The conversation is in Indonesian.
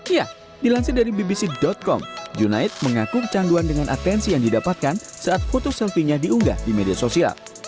ya dilansir dari bbc com junaid mengaku kecanduan dengan atensi yang didapatkan saat foto selfie nya diunggah di media sosial